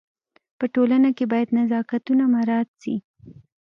په ټولنه کي باید نزاکتونه مراعت سي.